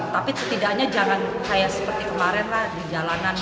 tapi setidaknya jangan seperti kemarin lah di jalanan gitu